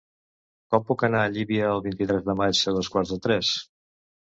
Com puc anar a Llívia el vint-i-tres de maig a dos quarts de tres?